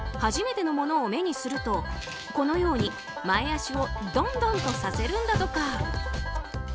初めてのものを目にするとこのように前脚をドンドンとさせるんだとか。